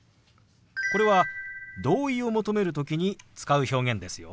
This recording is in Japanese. これは同意を求める時に使う表現ですよ。